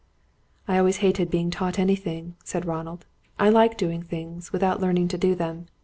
"I always hated being taught anything," said Ronald. "I like doing things, without learning to do them.